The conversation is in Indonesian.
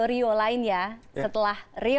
dan rio lainnya setelah rio